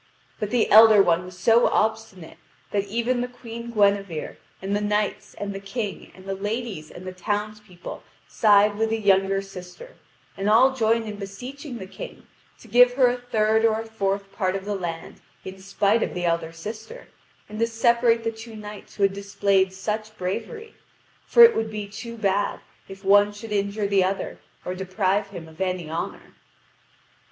But the elder one was so obstinate that even the Queen Guinevere and the knights and the King and the ladies and the townspeople side with the younger sister, and all join in beseeching the King to give her a third or a fourth part of the land in spite of the elder sister, and to separate the two knights who had displayed such bravery, for it would be too bad if one should injure the other or deprive him of any honour.